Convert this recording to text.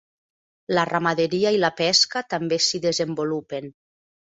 La ramaderia i la pesca també s'hi desenvolupen.